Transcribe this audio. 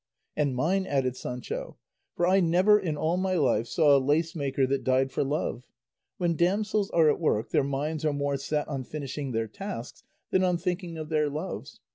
"And mine," added Sancho; "for I never in all my life saw a lace maker that died for love; when damsels are at work their minds are more set on finishing their tasks than on thinking of their loves.